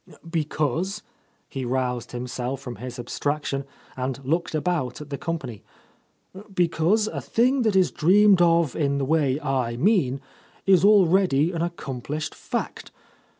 "Because," he roused himself from his abstrac tion and looked about at the company, "because a thing that is dreamed of in the way I mean, is already an accomplished fact.